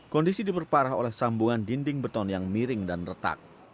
kondisi diperparah oleh sambungan dinding beton yang miring dan retak